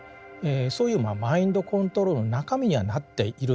そういうまあマインドコントロールの中身にはなっているんですね。